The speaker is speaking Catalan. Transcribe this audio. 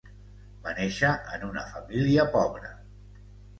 Va néixer en una família pobra.